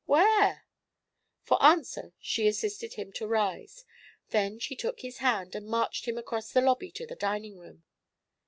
"Where?" For answer she assisted him to rise. Then she took his hand and marched him across the lobby to the dining room.